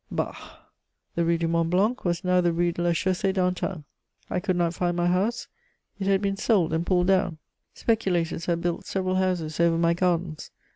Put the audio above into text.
Bah! the Rue du Mont Blanc was now the Rue de la Chausee d'Antin; I could not find my house; it had been sold and pulled down. Speculators had built several houses over my gardens.